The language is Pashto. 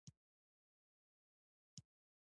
هغه وویل پاک کالي ور واغونده او بېرته یې راوله